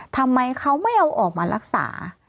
ทำไมเขาไม่เอาออกมารักษา